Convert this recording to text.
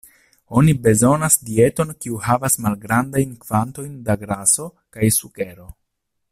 Oni bezonas dieton kiu havas malgrandajn kvantojn da graso kaj sukero.